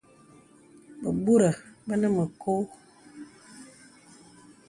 Bəbūrə bə nə mə kɔ̄.